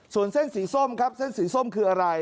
ส่วนเส้นสีส้มครับเส้นสีส้มคืออะไร